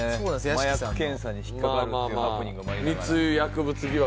麻薬検査に引っ掛かるっていうハプニングもありながら。